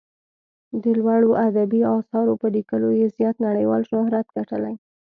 د لوړو ادبي اثارو په لیکلو یې زیات نړیوال شهرت ګټلی.